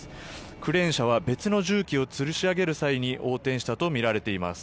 クレーン車は別の重機をつるし上げる際に横転したとみられています。